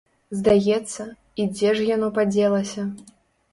Здаецца, і дзе ж яно падзелася?